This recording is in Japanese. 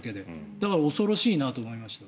だから恐ろしいなと思いました。